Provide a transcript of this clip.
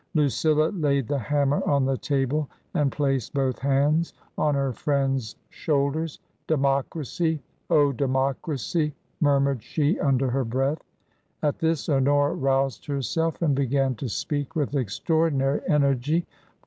Lucilla laid the hammer on the table and placed both hands on her friend's shoulders. " Democracy, O Democracy !" murmured she, under her breath. At this Honora roused herself and began to speak with extraordinary energy.